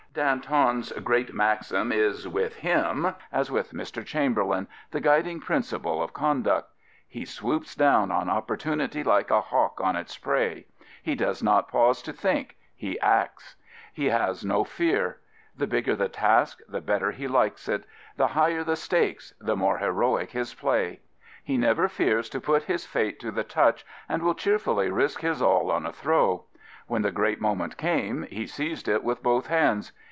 Danton's great maxim is with him, as with Mr. Chamberlain, the guiding principle of conduct. He swoops down on opportunity like a hawk on its prey. He does not pause to think: he acts. He has 130 David Lloyd George no fear. The bigger the task, the better he likes it. The higher the stakes, the more heroic his play. He never fears to put his fate to the touch, and will cheer fully risk his aU on a throw. When the great moment came he seized it with both hands.